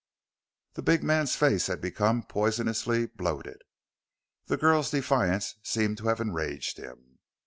The big man's face had become poisonously bloated. The girl's defiance seemed to have enraged him.